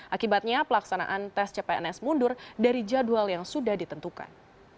akibatnya pelaksanaan tes cpns mundur dari jadwal yang sudah ditentukan